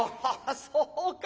そうか。